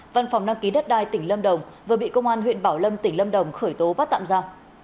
văn phòng đăng ký đất đai tỉnh lâm đồng vừa bị công an huyện bảo lâm tỉnh lâm đồng khởi tố bắt tạm ra